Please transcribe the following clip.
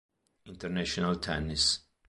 International Tennis